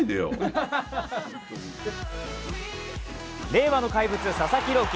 令和の怪物・佐々木朗希